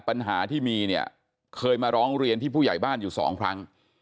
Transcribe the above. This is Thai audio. ปัญหาที่มีเนี่ยเคยมาร้องเรียนที่ผู้ใหญ่บ้านอยู่สองครั้ง